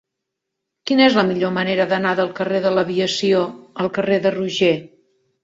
Quina és la millor manera d'anar del carrer de l'Aviació al carrer de Roger?